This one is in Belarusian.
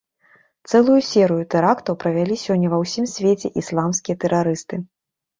Цэлую серыю тэрактаў правялі сёння ва ўсім свеце ісламскія тэрарысты.